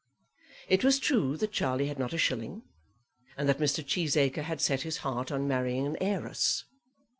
It was true that Charlie had not a shilling, and that Mr. Cheesacre had set his heart on marrying an heiress.